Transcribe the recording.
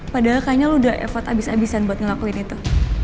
padahal kayaknya lu udah effort abis abisan buat ngelakuin itu